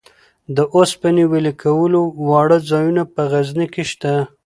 د اوسپنې ویلې کولو واړه ځایونه په غزني کې شته.